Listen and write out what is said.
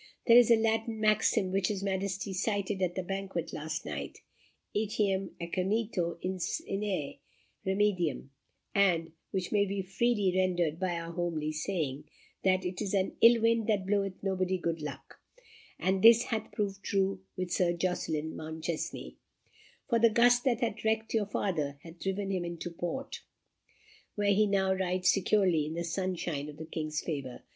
There is a Latin maxim which his Majesty cited at the banquet last night Etiam aconito inest remedium and which may be freely rendered by our homely saying, that 'It is an ill wind that bloweth nobody good luck;' and this hath proved true with Sir Jocelyn Mounchensey for the gust that hath wrecked your father hath driven him into port, where he now rides securely in the sunshine of the King's favour.